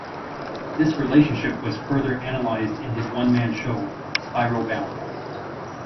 This relationship was further analyzed in his one-man show "Spiral Bound".